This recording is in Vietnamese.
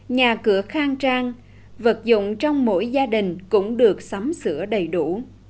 nhà cửa khang trang vật dụng trong mỗi gia đình cũng được sắm sửa đầy đủ